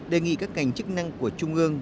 đề nghị các ngành chức năng của trung ương